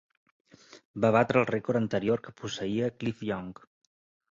Va batre el rècord anterior que posseïa Cliff Young.